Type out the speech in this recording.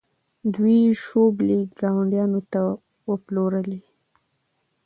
دوی شوبلې ګاونډیانو ته وپلورلې.